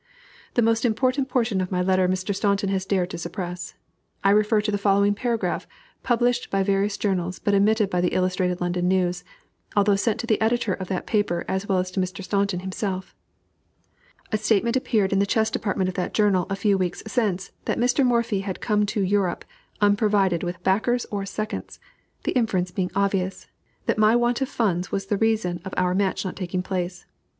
The most important portion of my letter Mr. Staunton has dared to suppress. I refer to the following paragraph, published by various journals, but omitted by the Illustrated London News, although sent to the editor of that paper as well as to Mr. Staunton himself: "A statement appeared in the chess department of that journal a few weeks since, that 'Mr. Morphy had come to Europe unprovided with backers or seconds,' the inference being obvious that my want of funds was the reason of our match not taking place.